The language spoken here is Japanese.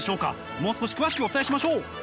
もう少し詳しくお伝えしましょう。